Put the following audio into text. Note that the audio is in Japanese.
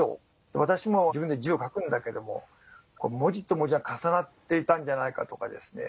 私も自分で字を書くんだけども文字と文字が重なっていたんじゃないかとかですね